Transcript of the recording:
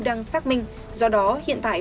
đang xác minh do đó hiện tại